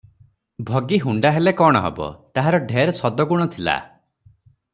ଭଗି ହୁଣ୍ତା ହେଲେ କଣ ହେବ, ତାହାର ଢେର ସଦଗୁଣ ଥିଲା ।